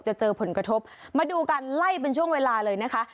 จะเจอผลกระทบมาดูการไล่เป็นช่วงเวลาเลยนะคะ